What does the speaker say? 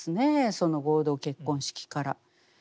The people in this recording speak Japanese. その合同結婚式から。